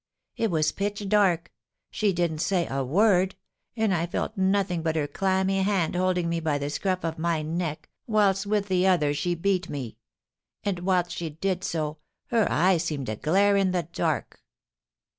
It was pitch dark. She didn't say a word; and I felt nothing but her clammy hand holding me by the scruff of my neck, whilst with the other she beat me; and whilst she did so, her eyes seemed to glare in the dark."